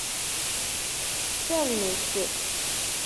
Fernet.